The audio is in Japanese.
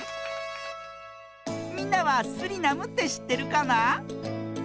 みんなはスリナムってしってるかな？